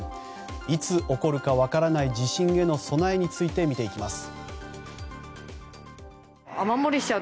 いつ起こるか分からない地震への備えについて見ていきます。